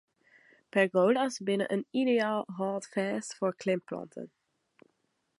Pergola's binne in ideaal hâldfêst foar klimplanten.